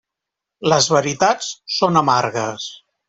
Les veritats són amargues.